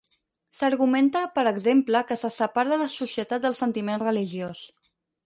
S'argumenta per exemple que se separa la societat del sentiment religiós.